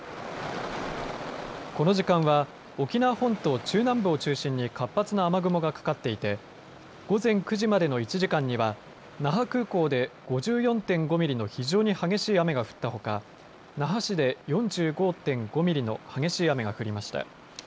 この時間は沖縄本島中南部を中心に活発な雨雲がかかっていて午前９時までの１時間には那覇空港で５４．５ミリの非常に激しい雨が降ったほか那覇市で４５．５ミリの激しい雨が降りました。